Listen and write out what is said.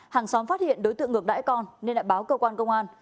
hàng xóm phát hiện đối tượng ngược đáy con nên lại báo cơ quan công an